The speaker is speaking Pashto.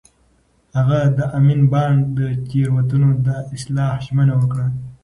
هغه د امین بانډ د تېروتنو د اصلاح ژمنه وکړه.